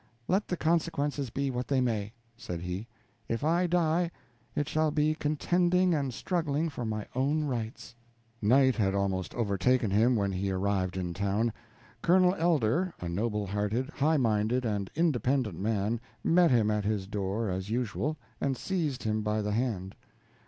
Let the consequences be what they may," said he, "if I die, it shall be contending and struggling for my own rights." Night had almost overtaken him when he arrived in town. Colonel Elder, a noble hearted, high minded, and independent man, met him at his door as usual, and seized him by the hand.